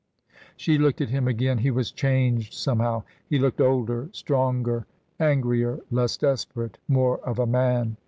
She looked at him again. He was changed somehow; he looked older, stronger, angrier, less desperate, more of a man.